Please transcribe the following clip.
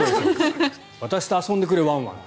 私と遊んでくれワンワン。